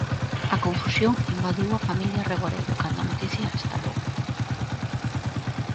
A confusión invadiu a familia Reboredo cando a noticia estalou.